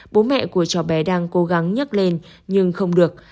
bố mẹ của cháu bé đang cố gắng nhắc lên nhưng không được